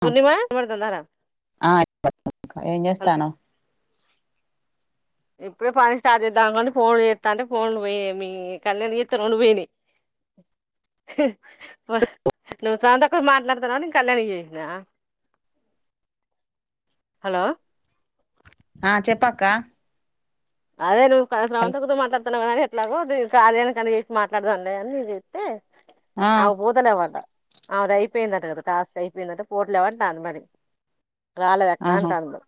పూర్ణిమా వినబడుతుందారా ఆ ఏం హలో. చేస్తానవ్ ఇప్పుడే పని స్టార్ట్ చేద్దాంని ఫోన్లు చేస్తా ఉంటే ఫోన్లు పోయి మీ కళ్యాణ్ చేస్త రొండు పోయినాయి. నువ్ చాందా నువ్ మాట్లాడతన్నవని నేన్ కళ్యణి కి చేసిన హలో ఆ చెప్పక్క అదే నువ్ క హల్ శ్రాంతక్కతో మాట్లాడ్ తన్నవని ఎట్లాగో దిన్ కార్యన్కి అని చేసి మాట్లాడదాం లే అని నిక్ చేతే ఆ ఆమెక్ పోతలేవంట ఆ అది అయిపోయిందంట కదా టాస్క్ అయిపోయిందంట పోవాట్లెన్ అంటాంది మరి రాలేద్క్క ఆహా అంటాంది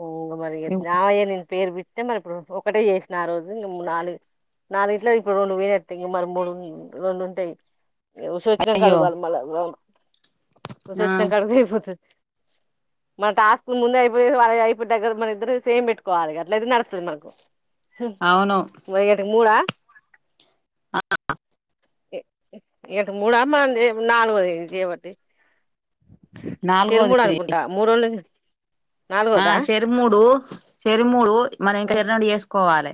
ఓ మరి గా నాఎ నేన్ పేర్ వేటి మర ఇప్పుడు ఒకటే చేసిన ఆ రోజు ఇంగ ము నాలు నల్గిట్ల ఇప్పుడు రెండు పోయి వత్తాయి ఇంగ మల్ల మూడు రెండు ఉంటాయి వసు వచ్చినంక అయ్యో అడగాలా మల్ల వ వసు ఆ వచ్చినంక అడిగితే అయిపోతది మా టాస్క్ ముందే అయిపోయి వా అయిపోయి టకరికి మన ఇద్దరు సేమ్ పెట్టుకోవాలి గట్లయితే నడుస్తది మనకు అవును మరియటికి మూడా ఎ-ఏటుకు మూడ మనం చే నల్గొద ఇది చేయబట్టి తిరు మూడు నాలుగోది అనుకుంటా మూడు రోజుల నుంచి ఆ షేరుమూడు షేరుమూడు మనం ఇంకా షెర్రెండు చేసుకోవాలి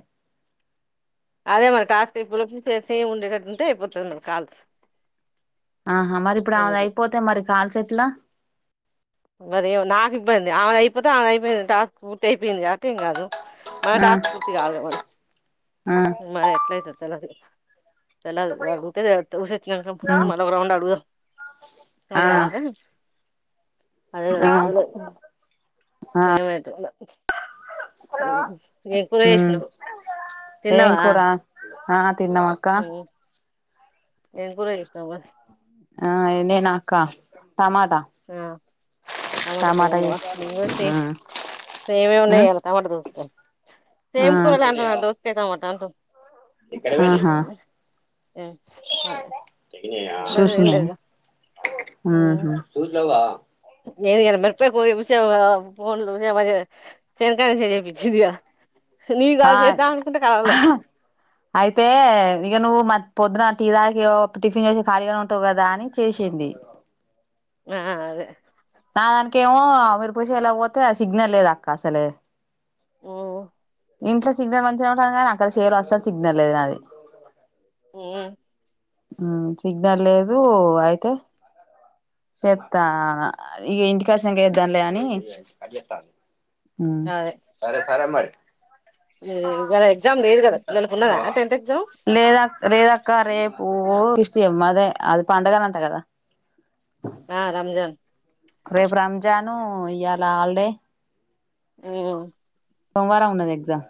అదె మరి టాస్క్ అయిపోయే లోపల చే చేయి ఉండేటట్టు ఉంటే అయిపోతుంది మనకి కాల్స్ ఆహా మరి ఇప్పుడు ఆమెది అందుకు అయిపోతే మరి కాల్సెట్లా మరేమో నాకు ఇబ్బంది ఆమెది అయిపోతే ఆమె అయిపోయింది టాస్క్ పూర్తి అయిపోయింది కాబట్టి ఎం కాదు మన ఆ టాస్క్ పూర్తి కాలే మరి ఆ మరి ఎట్లాయితది తెల్వది తెలదు వాళ్ళు [unintelligible] ఉసోచ్చినంక ఉమ్ మల్ల ఒక రౌండ్ అడుగుదాం ఆ అన్ అంక అదే ఆ [unintelligible] ఆ ఏమైతుందో ఉ హ్మ్ ఏం కూరా ఆ తిన్నాం అక్క ఏం కూర చేసినావు ఆ ఎ నేనా అక్క టమాటా ఆ టమాట కూర టమాటా ఒండినవా చేసి నేన్ గుర చే ఉమ్ ఉమ్ ఆ సేమ్ కూరలు అంటవని దోస్కయి టమాట అంటు ఆహా అదే ఇబ్బంది ఏం సుస్నావా లేదుగా ఆహా ఇలవా నెన్ ఇయల మేరపకాయ [unintelligible] ఆ అయితే ఇగ నువు మత్ పొద్దున టీ తాగి ఒప్ టిఫిన్ చేసి ఖాళీగానే ఉంటావు కదా అని చేసింది ఆ అదే కేమో అ మిరప చెన్లో వొతే సిగ్నల్ లేద్ అక్క అసలే ఉ ఇంట్లో సిగ్నల్ మంచిగా ఉంటది కానీ అక్కడ షేరు అసల్ సిగ్నల్ లేదు నాది ఉ హ్మ్ సిగ్నల్ లేదు అయితే సెతన్నా ఇ ఇంటి కాడ సంగే ఎద్దాం లే అని ఉ హ్మ్ ఇయాల ఎగ్జామ్ లేదు కదా పిల్లలకు ఉన్నదా టెన్త్ ఎగ్జామ్ రేదక్క రేపూ ఇస్టియం అదే అది పండగ అంట కదా ఆ రంజాన్ రేపు రంజాను ఇయలా హాలీడే ఉ సోమవారం ఉన్నది ఎగ్జామ్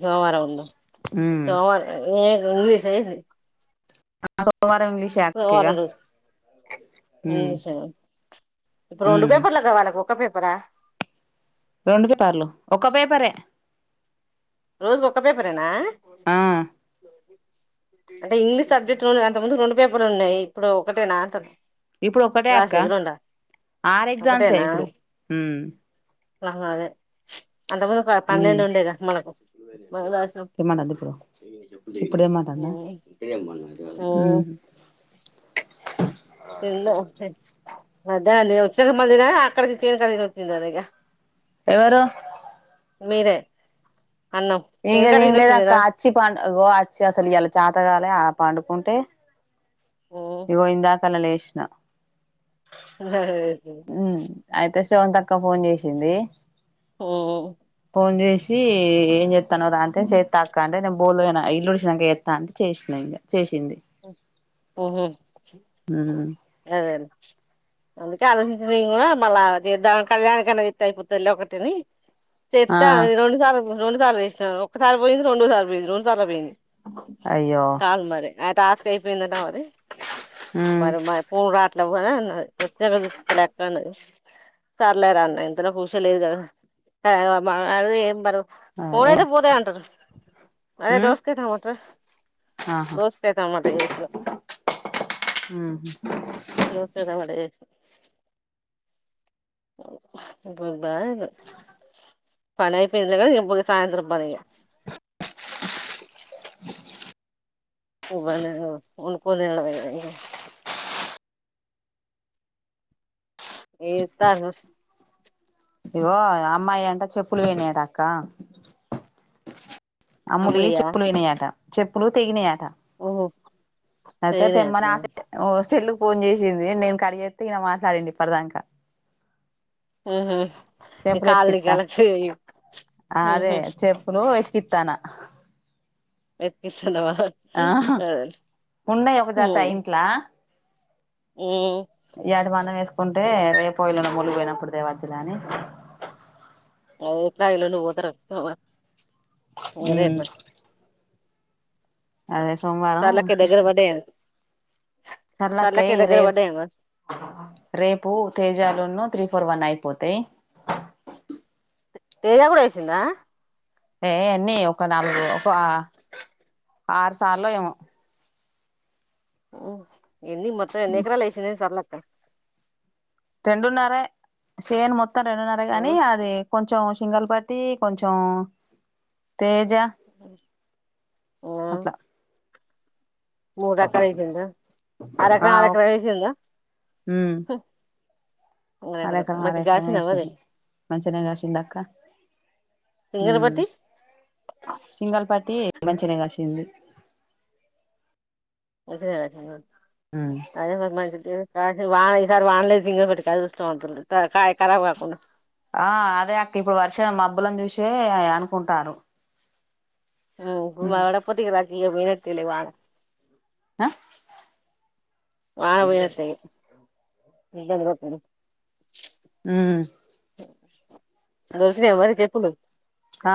సోమవారం ఉంది ఉమ్ ఆ సోమవారం ఇంగ్లీషే అక్కిగ రోజు ఉమ్ ఇంగ్లీష్ రెండు ఉమ్ పేపర్లా కావళకి ఒక పేపరా రెండు పేపర్లు ఒక పేపరే రోజు ఒక్కపేపరేనా ఆ అంటే ఇంగ్లీష్ సబ్జెక్ట్ అంత ముందు రెండు పేపర్లు ఉన్నాయి. ఇప్పుడు ఒకటే అంటున్న ఇప్పుడు ఒకటే అక్క ఆరు ఎగ్జామ్సే ఇప్పుడు ఉమ్ ఆమ్ అదే అంత ముందు పన్నెండు ఉండే గా మనకు మనం రాసినం [unintelligible] ఇప్పుడే మాటందా ఊ తేన్లే ఒస్తే ద నేను వచ్చిన మందిరా అక్కడికి [unintelligible] ఎవరు మీరే అన్నం చేను ఇగా కాడ తినలే తినొచ్చి అక్క తినరా అచ్చి పా అగొ ఆచి అసలు ఇవాళ్ళ చాతకాలే అప్ పండుకుంటే ఉమ్ ఇగో ఇందాకనె లేసిన ఐతే శ్రవంత్ అక్క ఫోన్ చేసింది ఊ ఫోన్ చేసి ఏం చె తనవు అంటే చేత్తక్క అంటే నేను బోలుతోమిన ఇల్లు ఊడిసినంక చేత్తా అంటే చేసిన ఇగ చేసింది ఉహు ఉమ్ అదే అందుకే ఆలోచించంగ్ మల్ల తీద్దాం కళ్యాణ కి అన్న తీతే అయిపోతుందిలే ఒకటిని ఆ చెప్తే అది రెండు సార్లు రెండు సార్లు తీసిన ఒకసారి పోయింది రెండోసారి పోయింది. రెండు సార్లు పోయింది. అయ్యో కాల్ మరి ఆ టాక్ అయిపోందట మరి ఆ అట్లా పోయి వత్తె చూపిత్తలే అక్క అన్నది సర్లే రా అన్న ఇంతలో కుషోలేదు [unintelligible] పోను అదే అయితే పోత అంటరు అదే మ్మ్ దోస్కతమంట ఆహా దోసకాయ టమాట చేసు ఉహు దోస్కాయి టమాటా జేసిన బ బాలేదు పనైపోయిందిగా ఇగ మల్ల సాయంత్రం పని ఇ [unintelligible] వండుకోన్ తినడమే ఇంగ ఏ సారు ఇగో ఆ అమ్మాయి అంట చెప్పులు పోయినా ఆట అక్క అమ్ములీ అమ్ములియా చెప్పులు పోయినాట చెప్పులు తెగినై ఆట ఓ అయితే తేమ్మని ఆసే సెల్లు ఫోన్ చేసింది నేను కడ్జేతే ఈగా మాట్లాడింది ఇప్పుడదాంక ఊహు ఎతికిత్తా కాల్ఈగల చేయి ఉహు కిత్తన నెత్తిపిస్తన్నావా అదే ఉన్నయి ఒక మ్ జత మ్ ఎడి మందం ఏస్కుంటే రేపో ఎల్లుండో ములు వోయినప్పుడు దేవచ్చులే అని ఎట్లా ఏల్లులి వోతరు థావ మ్మ్ సర్లక్కయి దగ్గర పడ్డాయ సర్లక్కయి రెప్ పడ్డాయేమో రేపు తేజాలున్ను త్రి పోర్ వన్ అయిపోతాయి తేజ గూడ ఏసిందా ఏ ఏన్ని ఒక నాలుగు ఒక ఆరుసాళ్ళో ఏమొ మ్మ్ ఎన్ని మొత్తం ఎన్నెకరాలేసింధేంది సర్లక్క రెండున్నరే షేన్ మొత్తం రెండున్నరె ఆ గాని అది కొంచెం సింగల్ పత్తి కొంచం తెజా మ్మ్ అట్లా మూడు రకలేసిందా అర ఆ ఎకరం ఆర ఎకరం ఏసిందా హుమ్ అరేక్రం అరేక్రం మేషింది మంచిగనే కాసిందక్క సింగల్ మ్మ్ పట్టి సింగల్ పత్తి మంచిగనే గశింది మంచిగానే కసిందా అదే మరి మంచినే ఏ కసే వాన్ ఈసారి వానలేదు సింగల్ పట్టికి అదృష్టవంతులు క కాయ కరబ్ కాకుండా ఆ అదే అక్క ఇప్పుడు వర్షం మబ్బులను జూషె అనుకుంటార్రు హు మ్మ్ ఇప్పుడు పడక పోతే ఇగ లక్ ఈగ పోయినట్టే లే వాన అ వాన పోయినట్టే ఇగ మ్మ్ దొరికినయా మరి చెప్పులు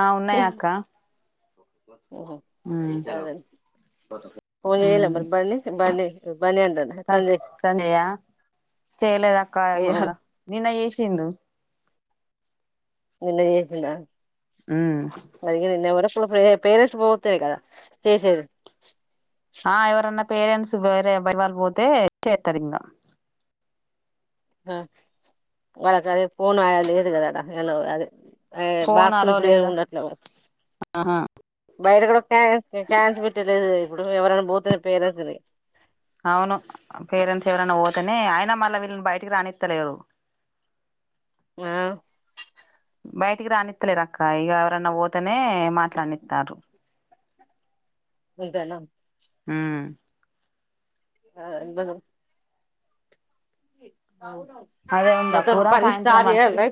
ఆ ఉన్నాయక్క మ్మ్ హు పాదన్ ఫోన్ జేయాలే మరి బన్నీ బన్నీ బన్నాంటనా స సంజయ్ సంజయ చేయలేదక్క ఇయల నిన్న చేషిండు నిన్న చేశిండా ఉమ్ మరి నిన్న ఎవరప్పుడు వే పేరేస్స్ట్ పోతే గదా చేసేది ఆ ఎవరన్న పేరెంట్స్ వేరే ఎవ్వరివాళ్ళు వోతే చేత్తదింగ ఆ వాళ్ళకదే ఫోను అయలేదు గదా ఏన్న అదే అ ఫోన్ బాక్స్ లు అలో ఇప్పుడెం లేదక్క ఉండట్లేవ్ కావచ్చు ఆహా బయట గుడా కన్స్ క్యాన్స్ పెట్టలేదు కదా ఇప్పుడు ఎవరన్నా బోతెనే పేరెస్స్ ది అవును పేరెంట్స్ ఎవరైనా పోతేనే ఆయన మళ్ళా వీళ్ళని బయటికి రానిత్తలేరు ఆ బయటికి రానిత్తలేరు అక్క ఇగా ఎవరన్నా పోతేనే మాట్లానిత్తర్రు మీధెనా మ్మ్ ఆ అందను అదే ఉందా మొత్తం కూర పని సాయంత్రం స్టార్ట్ వం జేయాల్న్న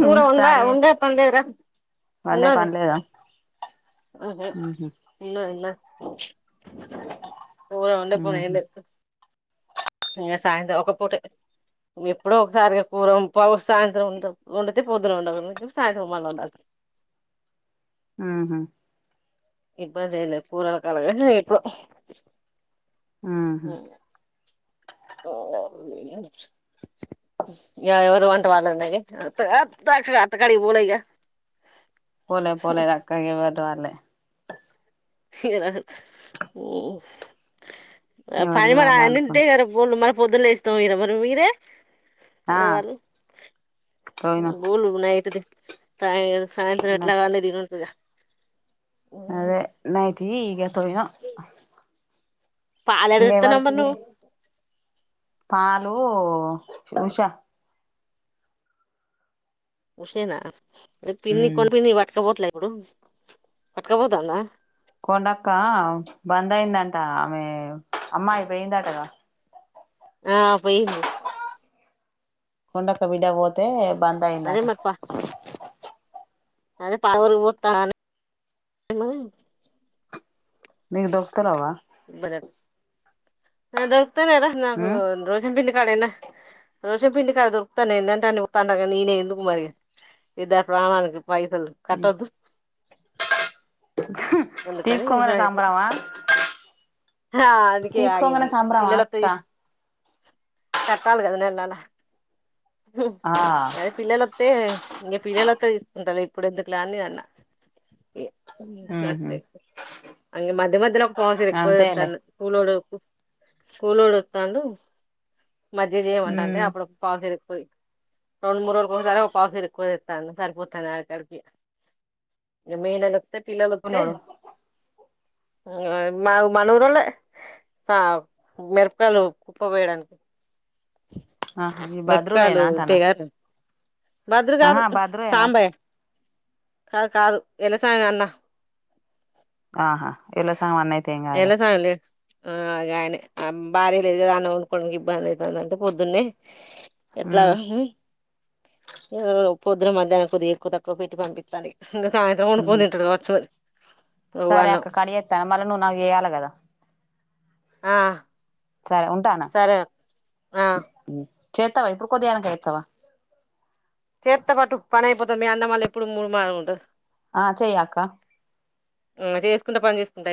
కూర వండా వండే పన్లేదుర వండే పన్లేద మ్ హు ఉన్నది ఉన్న కూర వండే పనీ ఉహు ఏంలేద్ నిన్న సాయంత్రం ఒక పూటె ఎప్పుడో ఒకసారి ఇగా కురోంతం సాయంత్రం వండు వండుతే పొద్దున వండదు సాయంత్రం మళ్ళ వండాలి ఆహ ఇబ్బందెంలేద్ కూరలకాడ గన్ ఎప్పుడో ఉహు ఎవరవన్ సవాలఉన్నవి అత్త అత్త కాడికి పోలే ఇకా పోలే పోలే అక్క ఎవరిది వాలే [unintelligible] ఎవరిది పరిమల వాళ్ళే అన్న ఉంటే అండుకుని కదా మరి పొద్దున్న లేసి తొలిన మరి మీరే ఆ వాల్లు తోమినం బోలు నయిటు సా సాయంత్రం ఉన్నాయి ఎట్లాగ అవన్నీ తినొద్దు గా అదే నైటి ఇగ తోవినా పాలేడ ఇంగ తెత్తనవ్ మరి ఎవరికివి నువ్వు పాలు ఉష ఉషేనా పిన్ని ఉమ్ కొన్ని ఇన్ని బట్కా బోట్లేద ఇప్పుడు పట్కబోతాందా కొండక్క బంద్ అయిందంట ఆమె అమ్మాయిపోయిందంటగా ఆ పోయింది కొండక్క బిడ్డ పోతే బంద్ అదే అయిందట మరి పా అదే పాలు ఒల్లకు పోతా లూ మీకు దొరుకుతలేవా మరే నాకు దొరుకుతలేర నాకు ఉ రోజ బిన్ని కాడేనా దోస పిండి కాదు దొరతటల్ నేనే చూస్తాటే ఎందుకు మరి ఇగ దాని ప్రాణానికి పైసలు కట్టొద్దు అందుకని తీసుకోంగనే సంబరమా హా అందుకే ఆగింది తీసుకోంగనే సంబరమా పిల్లలలోతే అక్క కట్టాలి కదా నేలనేలా హ్మ్ ఆ అదే పిల్లలోత్తే పిల్లలోత్తే తీసుకుంటాలే ఇప్పుడు ఎందుకులే అని నేను అన్న ఉహు అదే అన్ని మధ్య మధ్యలో ఒ ఒక పావు షేరు అంతేలే ఎక్వతెత్తనా కూలోడు కూలోడు వత్తండు మజ్జిగ చేయమంటంటే అప్పుడపు పావు షేరు పోయి రెండు మూడురోల్ ఒక్కసారి పావు షేరు ఎక్కువతె సరిపోతాను అడికడికి ఇంగ మే పిల్లలు వస్తే లోడు ఆ మా మన ఊరోళ్లే సా మిరపయలు కుప్పవేయడానికి ఆహా ఈ బద్రువేనా అంటానా మిరపకాయలుంటాయి కదా భద్ర కాదు ఆహా బద్రువేనా సాంబయ్య కాదు కాదు ఎల్ల సామన్న ఆహా ఎల్ల సామాన్ అయితే ఏం కాదులే ఆగయనే భార్య లేదు కదా అన్నం వండుకోవడానికి ఇబ్బంది అయితాందంటే పొద్దున్నే ఎట్లా ఎ పొద్దున మధ్యాహ్నం కొద్ది ఎక్కువ తక్కువ పెట్ పంపింస్థాన్న ఇంగ సాయంత్రం ఉహు వండుకోని తింటడు కావచ్చు నువ్వనవ్ త మల్ల నువ్వు నాకు చేయాల కదా ఆ సరే ఉంటానా సరే ఆ చేత్తవా ఇప్పుడు కొద్దిగాయినంక చేస్తవా చేత్త పటు పని అయిపోతది మీ అన్న వాళ్ల ఎప్పుడు ముూడుమ ఉండదు ఆ చేయక్క ఇగ చేసుకుంట పని చేసుకుంటా అయి